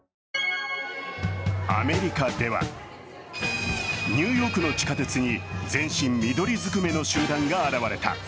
アメリカではニューヨークの地下鉄に全身緑ずくめの集団が現れた。